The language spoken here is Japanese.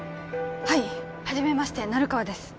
はい初めまして成川です